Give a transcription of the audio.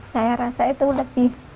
saya rasa itu lebih